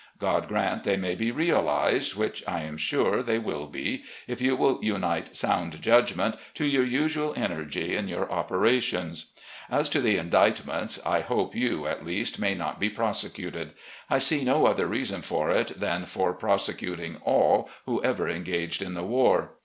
God grant they may be realised, which, I am sure, they will be, if you will unite sotmd judgment to your usual energy in your operations. As to the indict ments, I hope you, at least, may not be prosecuted. I 178 RECOLLECTIONS OF GENERAL LEE see no other reason for it than for prosecniting all who ever engaged in the war.